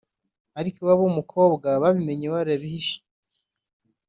ariko iwabo wumukobwa babimenye warabihishe